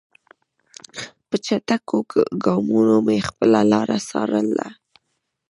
په چټکو ګامونو مې خپله لاره څارله.